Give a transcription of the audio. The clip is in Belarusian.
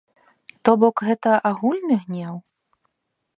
То бок гэта агульны гнеў?